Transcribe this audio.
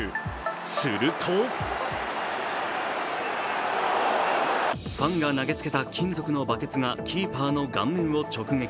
するとファンが投げつけた金属のバケツがキーパーの顔面を直撃。